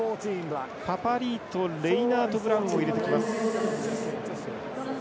パパリイとレイナートブラウンを入れてきます。